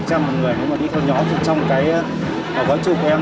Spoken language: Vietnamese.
nếu mà đi thôi nhóm thì trong cái gói chụp của em